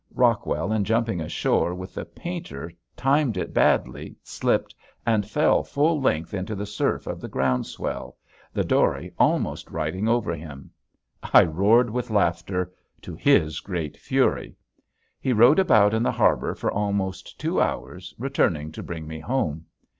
Rockwell in jumping ashore with the painter timed it badly, slipped, and fell full length into the surf of the ground swell, the dory almost riding over him. I roared with laughter to his great fury. He rowed about in the harbor for almost two hours returning to bring me home.